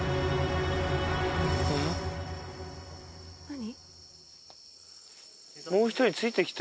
「何？」